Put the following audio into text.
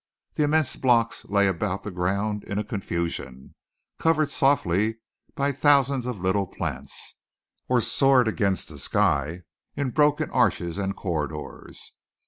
The immense blocks lay about the ground in a confusion, covered softly by thousands of little plants; or soared against the sky in broken arches and corridors.